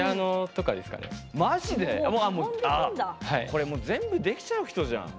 これもう全部できちゃう人じゃん。